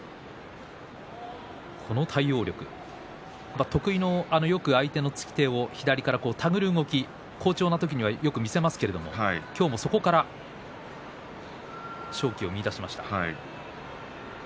この対応力、得意の相手のつき手を左から手繰る動き好調な時にはよく見せますけれど今日もそこから勝機を見いだしました。